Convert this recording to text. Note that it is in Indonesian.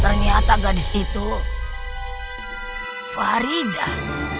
ternyata gadis itu faridah